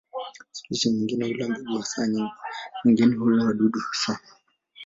Spishi nyingine hula mbegu hasa, nyingine hula wadudu hasa.